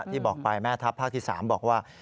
ที่บอกไปแม่ทัพภาคที่๓บอกว่า